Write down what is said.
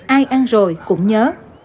ai ăn rồi cũng nhớ